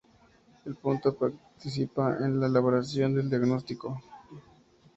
El punto participa en la elaboración del diagnóstico.